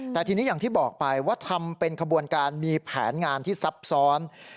แต่ทีนี้อย่างที่บอกไปว่าทำเป็นขบวนการมีแผนงานที่ซับซ้อน